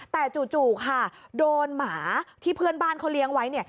แต่จู่ค่ะโดนหมาที่เพื่อนบ้านเขาเลี้ยงไว้เนี่ย